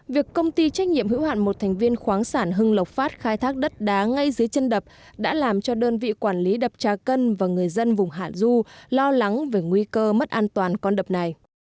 việc công ty trách nhiệm hữu hạn một thành viên khoáng sản hưng lộc phát khai thác đất đá ngay dưới chân đập đã làm cho đơn vị quản lý đập trà cân và người dân vùng hạ du lo lắng về nguy cơ mất an toàn con đập này